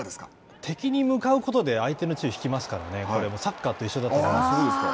敵に向かうことで相手の注意を引きますからサッカーと一緒だと思います。